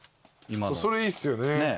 それいいっすよね。